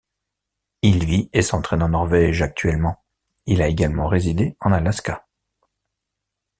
Il vit et s'entraîne en Norvège actuellement, il a également résidé en Alaska.